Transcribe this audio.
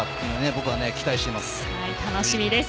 僕は期待しています。